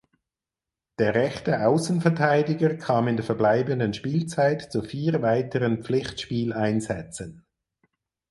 Der rechte Außenverteidiger kam in der verbleibenden Spielzeit zu vier weiteren Pflichtspieleinsätzen.